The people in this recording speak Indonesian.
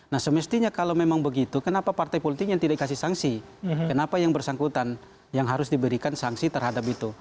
nah semestinya kalau memang begitu kenapa partai politik yang tidak dikasih sanksi kenapa yang bersangkutan yang harus diberikan sanksi terhadap itu